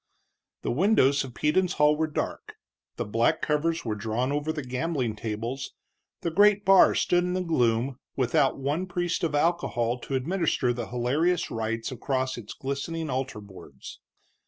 The windows of Peden's hall were dark, the black covers were drawn over the gambling tables, the great bar stood in the gloom without one priest of alcohol to administer the hilarious rites across its glistening altar boards.